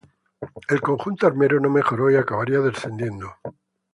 El conjunto armero no mejoró y acabaría descendiendo.